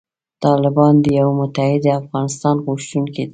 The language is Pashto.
طالبان د یوې متحدې افغانستان غوښتونکي دي.